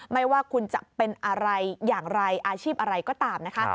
ไม่ว่าคุณจะเป็นอะไรอย่างไรอาชีพอะไรก็ตามนะคะ